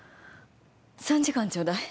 ３時間ちょうだい。